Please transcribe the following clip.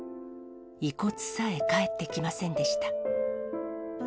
遺骨さえ帰ってきませんでした。